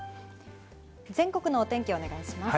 全国のお天気、お願いします。